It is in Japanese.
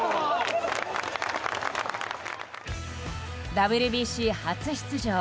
ＷＢＣ初出場。